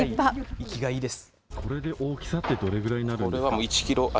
生きがいいです。